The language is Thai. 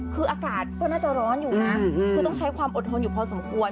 คืออากาศก็น่าจะร้อนอยู่นะคือต้องใช้ความอดทนอยู่พอสมควร